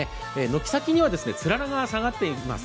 軒先にはつららが下がっています。